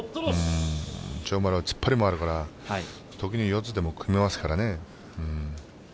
千代丸は突っ張りもあるから特に四つでも組みますからね。